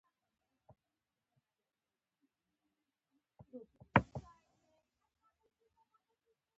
ننګرهار د علم زانګو ده.